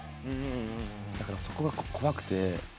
だからそこが怖くて。